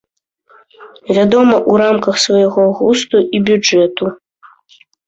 Вядома, у рамках свайго густу і бюджэту.